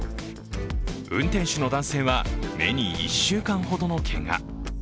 運転手の男性は目に１週間ほどのけが。